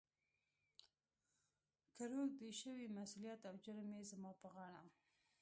« کهٔ روږدی شوې، مسولیت او جرم یې زما پهٔ غاړه. »